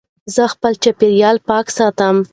زه خپل چاپېریال پاک ساتم.